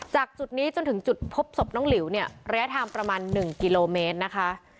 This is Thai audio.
จากจุดนี้จนถึงจุดพบศพน้องหลิวเนี่ยระยะทางประมาณ๑กิโลเมตรนะคะ